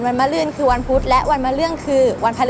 วันมะเรื่องคือวันพุธและวันมะเรื่องคือวันพระธรรม